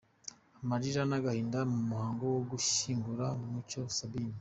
Amarira n’agahinda mu muhango wo gushyingura Mucyo Sabine